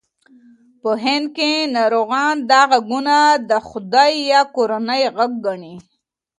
په هند کې ناروغان دا غږونه د خدای یا کورنۍ غږ ګڼي.